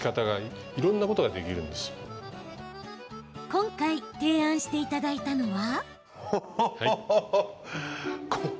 今回、提案していただいたのは。